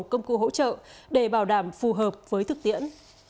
công cụ hỗ trợ để bảo đảm phù hợp với thực tiễn